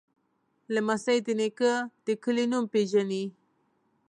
لمسی د نیکه د کلي نوم پیژني.